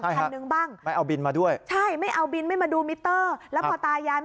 ครั้งนึงบ้างใช่ครับไม่เอาบินมาด้วย